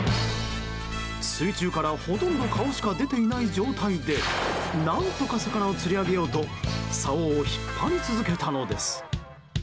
水中からほとんど顔しか出ていない状態で何とか魚を釣り上げようとさおを引っ張り続けたのです。